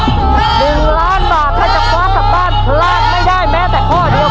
หนึ่งล้านบาทถ้าจะคว้ากลับบ้านพลาดไม่ได้แม้แต่ข้อเดียว